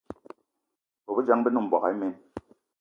Bobejang, be ne mboigi imen.